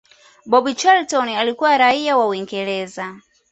bobby Charlton alikuwa raia wa Uingereza